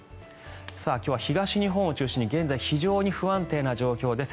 今日は東日本を中心に現在、非常に不安定な状況です。